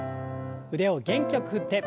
腕を元気よく振って。